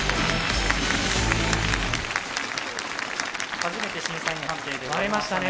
初めて審査員判定で割れましたね。